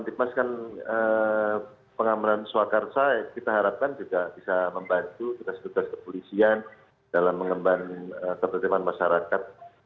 dan mengalaskan pengamaran swakar saya kita harapkan juga bisa membantu tugas tugas kepolisian dalam mengembang ketertiban masyarakat